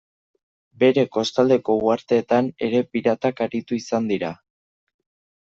Bere kostaldeko uharteetan ere piratak aritu izan dira.